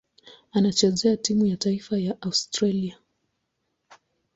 Anachezea timu ya taifa ya Australia.